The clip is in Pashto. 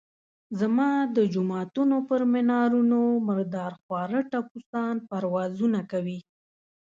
زما د جوماتونو پر منارونو مردار خواره ټپوسان پروازونه کوي.